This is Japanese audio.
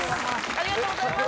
ありがとうございます。